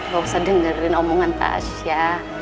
gak usah dengerin omongan pasya